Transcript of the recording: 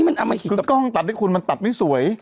ไม่นะคือกล้องตัดให้คุณมันตัดไม่สวย